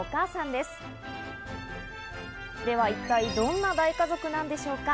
では一体どんな大家族なんでしょうか？